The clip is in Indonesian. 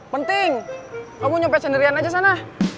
penting kamu nyumpet sendirian aja sana